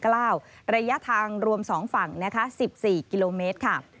ระยะทางรวม๒ฝั่ง๑๔กิโลเมตร